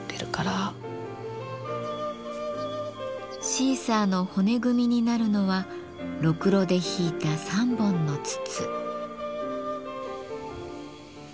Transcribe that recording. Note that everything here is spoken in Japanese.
シーサーの骨組みになるのはろくろでひいた３本の筒。